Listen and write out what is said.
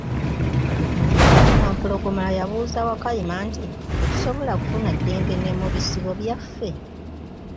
Wampologoma yabuuza Wakayima nti, tetusobola kufuna ddembe ne mubisibo byaffe?